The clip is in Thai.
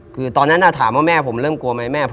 คือตอนนั้นถามว่าแม่ผมเริ่มกลัวไหมแม่